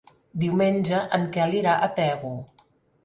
Diumenge en Quel irà a Pego.